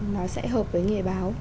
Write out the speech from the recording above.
nó sẽ hợp với nghề báo